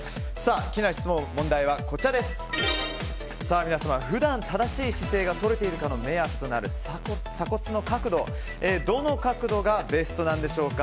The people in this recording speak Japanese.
気になる問題は普段正しい姿勢がとれているかの目安となる鎖骨の角度どの角度がベストでしょうか。